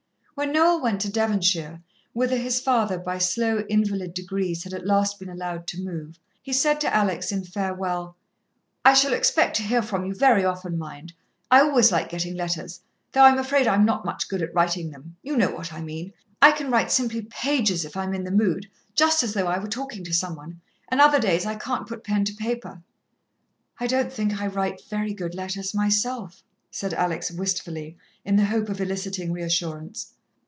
When Noel went to Devonshire, whither his father by slow, invalid degrees had at last been allowed to move, he said to Alex in farewell: "I shall expect to hear from you very often, mind. I always like getting letters, though I'm afraid I'm not much good at writing them. You know what I mean: I can write simply pages if I'm in the mood just as though I were talking to some one and other days I can't put pen to paper." "I don't think I write very good letters myself," said Alex wistfully, in the hope of eliciting reassurance.